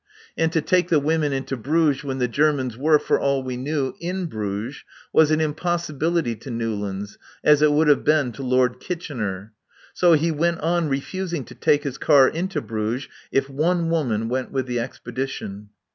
And to take the women into Bruges when the Germans were, for all we knew, in Bruges, was an impossibility to Newlands, as it would have been to Lord Kitchener. So he went on refusing to take his car into Bruges if one woman went with the expedition.